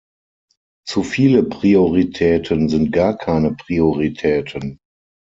Zu viele Prioritäten sind gar keine Prioritäten.